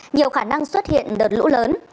nhiều khả năng xuất hiện đợt lũ lớn